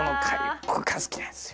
ここが好きなんですよ。